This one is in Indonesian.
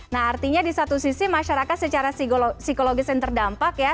nah artinya di satu sisi masyarakat secara psikologis yang terdampak ya